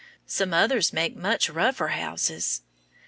Some others make much rougher houses.